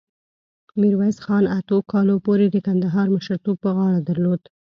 میرویس خان اتو کالو پورې د کندهار مشرتوب په غاړه درلود.